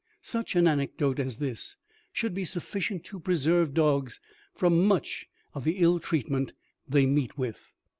Such an anecdote as this should be sufficient to preserve dogs from much of the ill treatment they meet with.